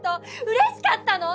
うれしかったの！